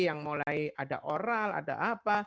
yang mulai ada oral ada apa